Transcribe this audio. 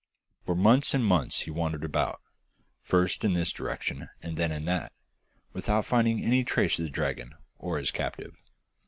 For months and months he wandered about, first in this direction and then in that, without finding any traces of the dragon or his captive.